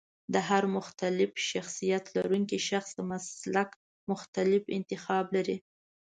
د هر مختلف شخصيت لرونکی کس د مسلک مختلف انتخاب لري.